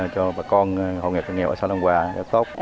cho bà con hồ nghệ tân nghèo ở sài gòn hòa tốt